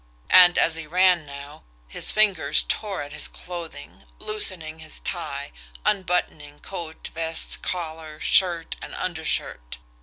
And, as he ran now, his fingers tore at his clothing, loosening his tie, unbuttoning coat, vest, collar, shirt, and undershirt.